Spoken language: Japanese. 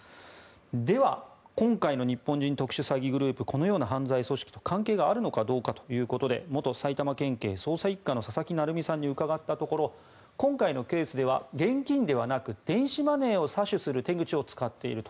では、今回の日本人特殊詐欺グループこのような犯罪組織と、関係があるのかどうかということで元埼玉県警捜査１課の佐々木成三さんに伺ったところ今回のケースでは現金ではなく電子マネーを詐取する手口を使っていると。